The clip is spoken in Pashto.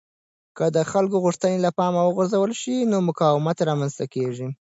که د خلکو غوښتنې له پامه وغورځول شي نو مقاومت رامنځته کېږي